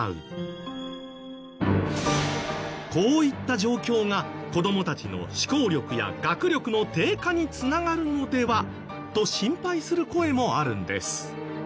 こういった状況が子どもたちの思考力や学力の低下に繋がるのでは？と心配する声もあるんです。